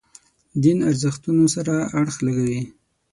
دین ارزښتونو سره اړخ لګوي.